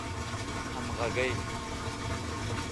همږغۍ